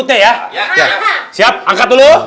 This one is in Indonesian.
dalam itungan ketiga